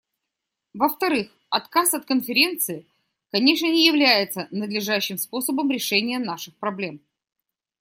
Во-вторых, отказ от Конференции, конечно, не является надлежащим способом решения наших проблем.